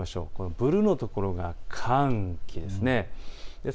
ブルーの所が寒気です。